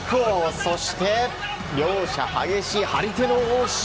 そして両者激しい張り手の応酬！